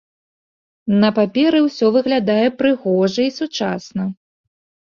На паперы ўсё выглядае прыгожа і сучасна.